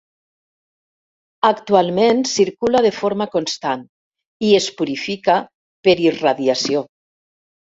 Actualment circula de forma constant i es purifica per irradiació.